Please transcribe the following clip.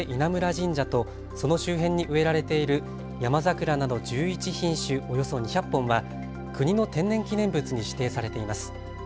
神社とその周辺に植えられているヤマザクラなど１１品種、およそ２００本は国の天然記念物に指定されています。